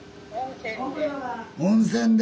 温泉で？